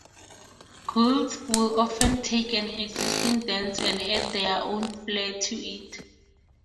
Guilds will often take an existing dance and add their own flare to it.